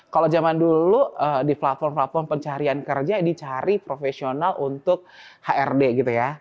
kalau zaman dulu di platform platform pencarian kerja dicari profesional untuk hrd gitu ya